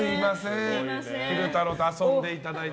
昼太郎と遊んでいただいて。